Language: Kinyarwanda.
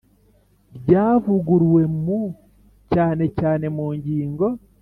Ryavuguruwe mu cyane cyane mu ngingo